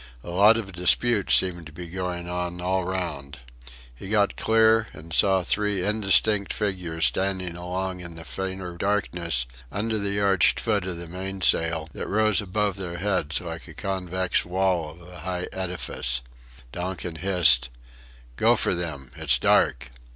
A lot of disputes seemed to be going on all round. He got clear and saw three indistinct figures standing along in the fainter darkness under the arched foot of the mainsail, that rose above their heads like a convex wall of a high edifice. Donkin hissed: "Go for them... it's dark!"